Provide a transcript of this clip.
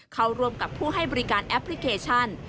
เข้าร่วมกับผู้ให้บริการแอปพลิเคชัน